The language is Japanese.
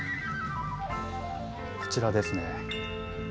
こちらですね。